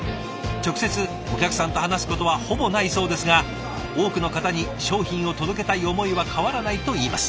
直接お客さんと話すことはほぼないそうですが多くの方に商品を届けたい思いは変わらないといいます。